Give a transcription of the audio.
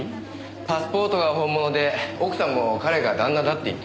パスポートが本物で奥さんも彼が旦那だって言ってるわけですし。